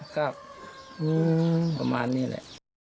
ครับประมาณนี้แหละ